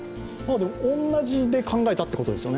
同じで考えたってことですよね。